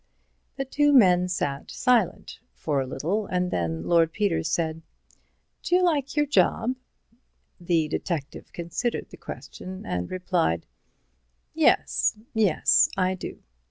The two men sat silent for a little, and then Lord Peter said: "D'you like your job?" The detective considered the question, and replied: "Yes—yes, I do.